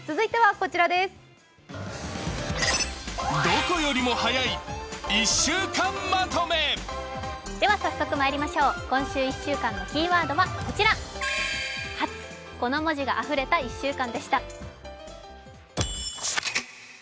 では、早速まいりましょう今週１週間のキーワードはこちら、「発」この文字があふれた１週間でした。